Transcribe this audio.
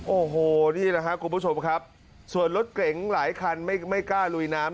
โอ้โหนี่แหละครับคุณผู้ชมครับส่วนรถเก๋งหลายคันไม่กล้าลุยน้ำ